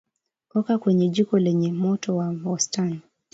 Oka kwenye jiko lenye moto wa wastani